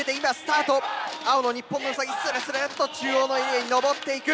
青の日本のウサギスルスルッと中央のエリアに上っていく。